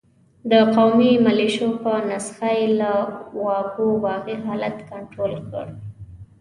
د قومي ملېشو په نسخه یې له واګو باغي حالت کنترول کړ.